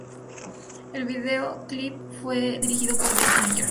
El video clip fue dirigido por "Dave Meyers".